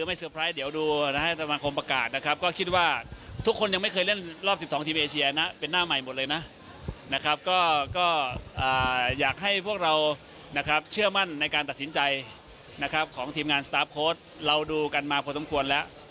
มั่นในการตัดสินใจนะครับของทีมงานเราดูกันมาพอสมควรแล้ว